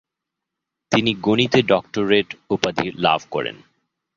তিনি গণিতে ডক্টরেট উপাধি লাভ করেন।